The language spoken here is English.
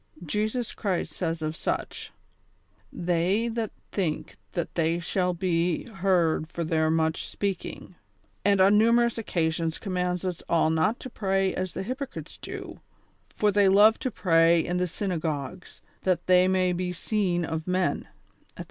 Jesus Christ says of such : '■'■They think that they shall be 144 THE SOCIAL AVAR OF 1900; OR, heard for their much speaking ;" and on numerous occasions couuuands us all not to pray as the hypocrites do : '^For they love to pray in the synagogues^ that they may be seen of men,^'' etc.